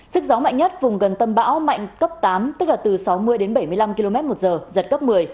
sức gió mạnh nhất vùng gần tâm bão mạnh cấp tám tức là từ sáu mươi đến bảy mươi năm km một giờ giật cấp một mươi